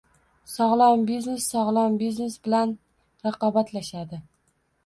Sog'lom biznes sog'lom biznes bilan raqobatlashadi